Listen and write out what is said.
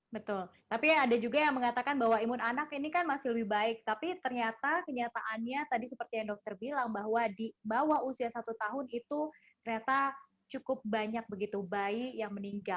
betul tapi ada juga yang mengatakan bahwa imun anak ini kan masih lebih baik tapi ternyata kenyataannya tadi seperti yang dokter bilang bahwa di bawah usia satu tahun itu ternyata cukup banyak begitu bayi yang meninggal